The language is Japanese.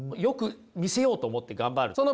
よく見せようと思って頑張る？